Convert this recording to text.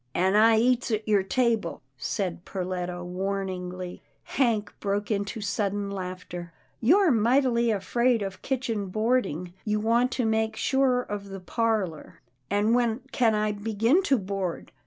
" An' I eats at your table," said Perletta warn ingly. Hank broke into sudden laughter, " You're mightily afraid of kitchen boarding, you want to make sure of the parlour." "An' when can I begin to board?"